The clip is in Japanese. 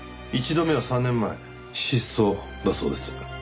１度目は３年前失踪だそうです。